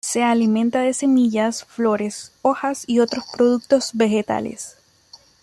Se alimenta de semillas, flores hojas y otros productos vegetales.